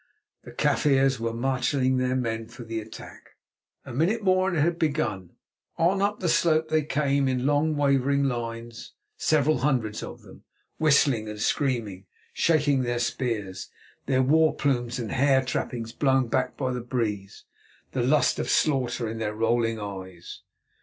The Kaffirs were marshalling their men for the attack. A minute more and it had begun. On up the slope they came in long, wavering lines, several hundreds of them, whistling and screaming, shaking their spears, their war plumes and hair trappings blown back by the breeze, the lust of slaughter in their rolling eyes.